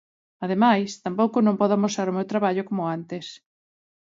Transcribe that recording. Ademais, tampouco non podo amosar o meu traballo como antes.